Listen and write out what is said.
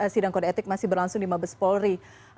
sidang kode etik masih berlangsung di mabes polri